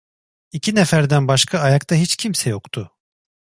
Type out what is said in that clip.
İki neferden başka ayakta hiç kimse yoktu.